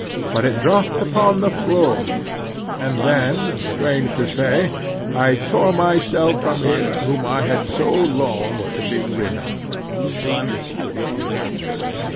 But it dropped upon the floor, and then,—strange to say—I tore myself from him whom I had so longed to be rid of.